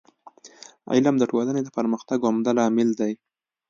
علم د ټولني د پرمختګ عمده لامل دی.